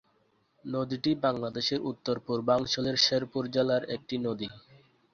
নদীটি বাংলাদেশের উত্তর-পূর্বাঞ্চলের শেরপুর জেলার একটি নদী।